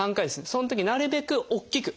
そのときなるべく大きく。